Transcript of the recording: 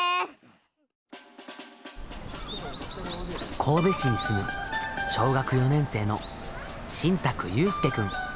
神戸市に住む小学４年生の新宅佑輔君。